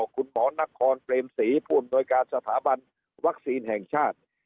คุณหมอนครเปรมศรีผู้อำนวยการสถาบันวัคซีนแห่งชาติ